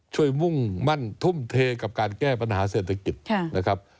มุ่งมั่นทุ่มเทกับการแก้ปัญหาเศรษฐกิจนะครับ